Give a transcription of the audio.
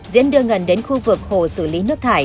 diễn đưa ngần đến khu vực hồ xử lý nước thải